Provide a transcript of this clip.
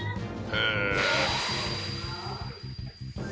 へえ。